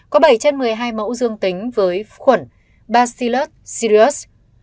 có bảy trên một mươi hai mẫu dương tính với khuẩn bacillus sirius